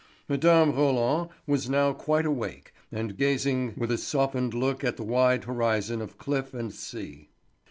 Mme. Roland was now quite awake, and gazing with a softened look at the wide horizon of cliff and sea.